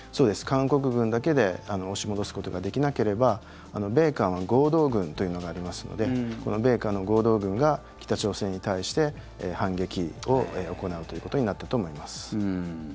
韓国軍だけで押し戻すことができなければ米韓は合同軍というのがありますのでこの米韓の合同軍が北朝鮮に対して反撃を行うということになったと思います。